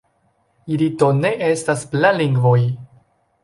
Ili do ne estas "planlingvoj".